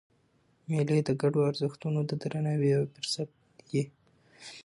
مېلې د ګډو ارزښتونو د درناوي یو فرصت يي.